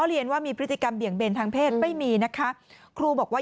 เรียนว่ามีพฤติกรรมเบี่ยงเบนทางเพศไม่มีนะคะครูบอกว่า